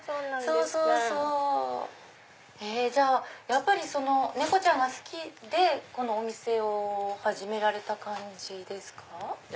やっぱり猫ちゃんが好きでこのお店を始められた感じですか？